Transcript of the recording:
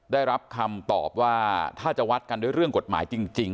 ได้รับคำตอบว่าถ้าจะวัดกันด้วยเรื่องกฎหมายจริง